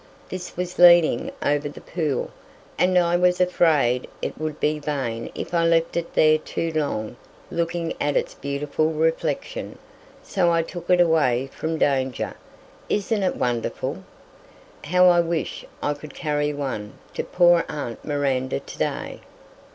"This was leaning over the pool, and I was afraid it would be vain if I left it there too long looking at its beautiful reflection, so I took it away from danger; isn't it wonderful? How I wish I could carry one to poor aunt Miranda to day!